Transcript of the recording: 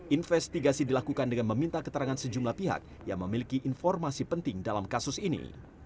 investigasi dilakukan dengan meminta keterangan sejumlah pihak yang memiliki informasi penting dalam kasus ini